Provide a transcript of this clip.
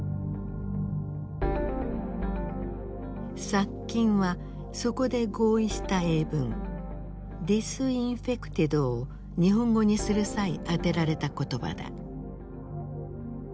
「殺菌」はそこで合意した英文「ｄｉｓｉｎｆｅｃｔｅｄ」を日本語にする際当てられた言葉だ。